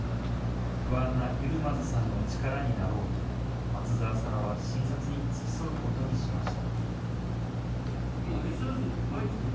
不安なユルマズさんの力になろうと、松澤さんは診察に付き添うことにしました。